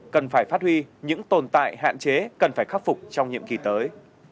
cần phải phát huy những tồn tại hạn chế cần phải khắc phục trong nhiệm kỳ tới